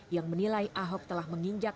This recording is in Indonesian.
yang menilai ahok telah menginjak